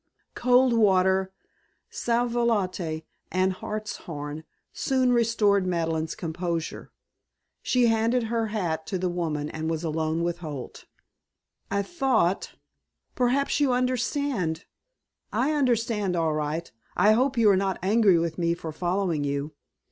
Cold water, sal volatile, and hartshorn soon restored Madeleine's composure. She handed her hat to the woman and was alone with Holt. "I thought perhaps you understand " "I understand, all right. I hope you are not angry with me for following you."